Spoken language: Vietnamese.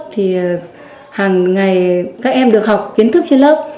thì hàng ngày các em được học kiến thức trên lớp